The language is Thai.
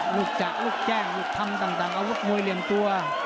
ลูกจักรลูกแจ้งลูกท่ำต่างเอาลูกมวยเหลี่ยมตัว